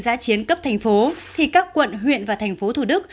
giã chiến cấp thành phố thì các quận huyện và thành phố thủ đức